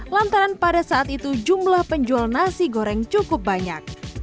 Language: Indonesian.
lantaran pada saat itu jumlah penjual nasi goreng cukup banyak